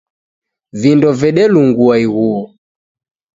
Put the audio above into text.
Vindo vedelungua ighuo.